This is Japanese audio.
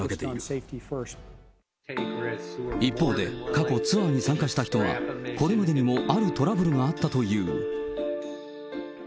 一方で、過去ツアーに参加した人は、これまでにもあるトラブルがあったという。